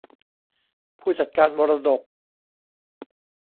ผู้จัดการมรดก